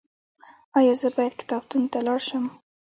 ایا زه باید کتابتون ته لاړ شم؟